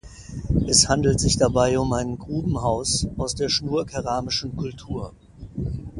Es handelt sich dabei um ein Grubenhaus aus der schnurkeramischen Kultur.